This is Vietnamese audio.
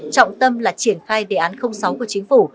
trọng tâm là triển khai đề án sáu của chính phủ